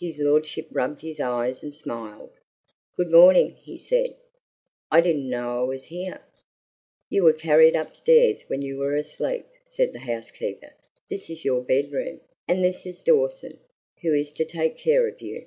His lordship rubbed his eyes and smiled. "Good morning," he said. "I didn't know I was here." "You were carried upstairs when you were asleep," said the housekeeper. "This is your bedroom, and this is Dawson, who is to take care of you."